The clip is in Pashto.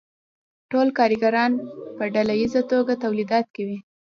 ټول کارګران په ډله ییزه توګه تولیدات کوي